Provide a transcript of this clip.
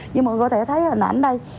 như mọi người có thể thấy hình ảnh đây